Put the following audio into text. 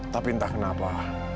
tapi entah kenapa